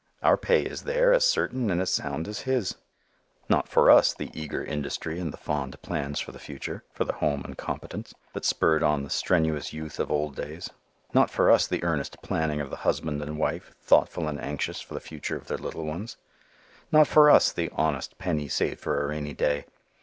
Our pay is there as certain and as sound as his. Not for us the eager industry and the fond plans for the future, for the home and competence that spurred on the strenuous youth of old days, not for us the earnest planning of the husband and wife thoughtful and anxious for the future of their little ones. Not for us the honest penny saved for a rainy day.